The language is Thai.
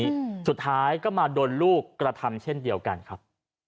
อืมสุดท้ายก็มาโดนลูกกระทำเช่นเดียวกันครับ